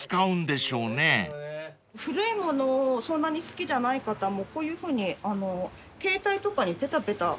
古いものをそんなに好きじゃない方もこういうふうに携帯とかにぺたぺた。